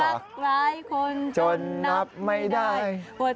รักร้ายคนจนนับไม่ได้